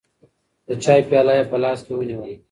د چای پیاله یې په لاس کې ونیوله.